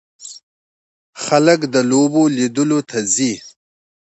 خلک د لوبو لیدلو ته ځي.